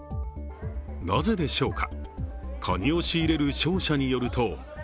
なぜでしょうか。